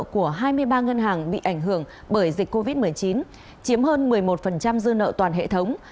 của hai mươi ba ngân hàng bị ảnh hưởng bởi dịch covid một mươi chín chiếm hơn một mươi một dư nợ toàn hệ thống